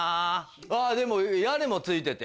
あぁでも屋根も付いてて。